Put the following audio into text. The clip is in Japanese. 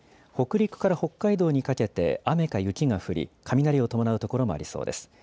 北陸から北海道にかけて雨か雪が降り雷を伴う所もありそうです。